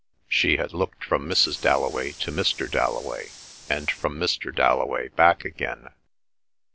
She had looked from Mrs. Dalloway to Mr. Dalloway, and from Mr. Dalloway back again.